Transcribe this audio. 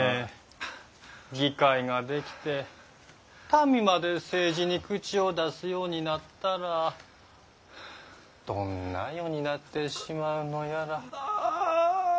議会が出来て民まで政治に口を出すようになったらどんな世になってしまうのやら。